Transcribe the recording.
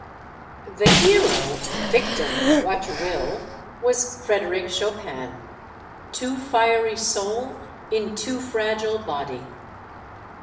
The hero victim what you will was Frederic Chopin; too fiery soul in too fragile body.